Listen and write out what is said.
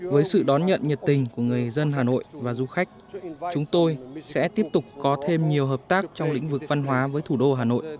với sự đón nhận nhiệt tình của người dân hà nội và du khách chúng tôi sẽ tiếp tục có thêm nhiều hợp tác trong lĩnh vực văn hóa với thủ đô hà nội